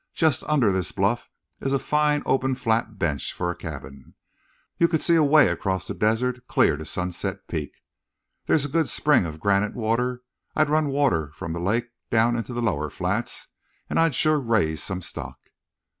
Just under this bluff is a fine open flat bench for a cabin. You could see away across the desert clear to Sunset Peak. There's a good spring of granite water. I'd run water from the lake down into the lower flats, and I'd sure raise some stock."